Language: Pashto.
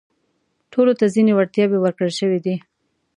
ټولو ته ځينې وړتياوې ورکړل شوي دي.